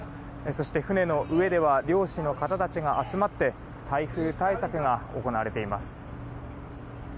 そして、船の上では漁師の方たちが集まって台風対策が行われています。